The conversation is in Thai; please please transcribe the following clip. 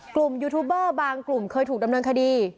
ยูทูบเบอร์บางกลุ่มเคยถูกดำเนินคดี